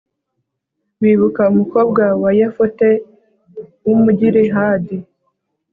bibuka umukobwa wa yefute w'umugilihadi